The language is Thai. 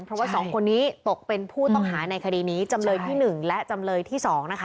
เพราะว่า๒คนนี้ตกเป็นผู้ต้องหาในคดีนี้จำเลยที่๑และจำเลยที่๒นะคะ